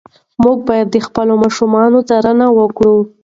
موږ باید د خپلو ماشومانو څارنه وکړو.